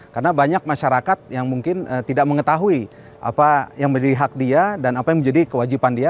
karena banyak masyarakat yang mungkin tidak mengetahui apa yang menjadi hak dia dan apa yang menjadi kewajiban dia